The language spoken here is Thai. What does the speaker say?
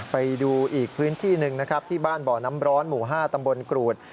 ไปดูอีกพื้นที่หนึ่งนะครับที่บ้านบ่อน้ำร้อนหมู่๕ตำบลกรูด